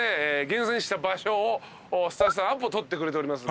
厳選した場所をスタッフさんアポ取ってくれております。